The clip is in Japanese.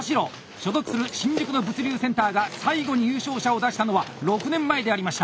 所属する新宿の物流センターが最後に優勝者を出したのは６年前でありました！